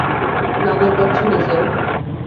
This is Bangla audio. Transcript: নাগাল পাচ্ছি না, স্যার।